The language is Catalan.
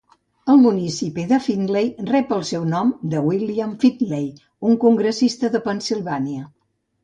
El municipi de Findley rep el seu nom de William Findley, un congressista de Pennsilvània.